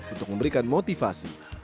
untuk memberikan motivasi